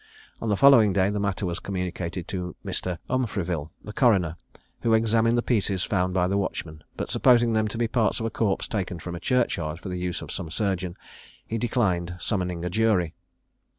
On the following day the matter was communicated to Mr. Umfreville, the coroner, who examined the pieces found by the watchman; but, supposing them to be parts of a corpse taken from a churchyard for the use of some surgeon, he declined summoning a jury.